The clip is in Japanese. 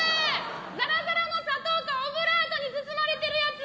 ザラザラの砂糖とオブラートに包まれてるやつ。